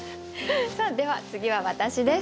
さあでは次は私です。